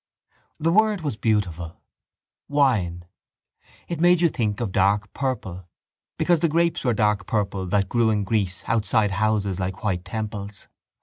The word was beautiful: wine. It made you think of dark purple because the grapes were dark purple that grew in Greece outside houses like white temples.